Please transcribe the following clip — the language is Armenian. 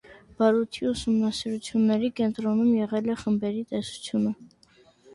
Բարութի ուսումնասիրությունների կենտրոնում եղել է խմբերի տեսությունը։